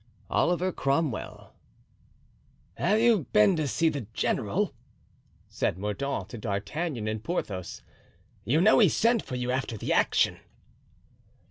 Oliver Cromwell. Have you been to the general?" said Mordaunt to D'Artagnan and Porthos; "you know he sent for you after the action."